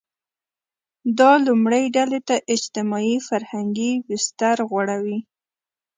دا لومړۍ ډلې ته اجتماعي – فرهنګي بستر غوړوي.